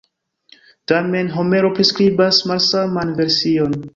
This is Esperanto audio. Tamen, Homero priskribas malsaman version.